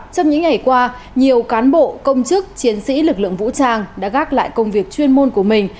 trong những ngày qua nhiều cán bộ công chức chiến sĩ lực lượng vũ trang đã gác lại công việc chuyên môn của mình